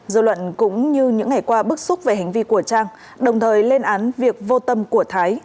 dư luận cũng như những ngày qua bức xúc về hành vi của trang đồng thời lên án việc vô tâm của thái